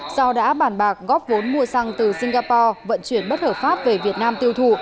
do đã bàn bạc góp vốn mua xăng từ singapore vận chuyển bất hợp pháp về việt nam tiêu thụ